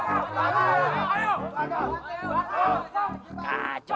ayolah ya pak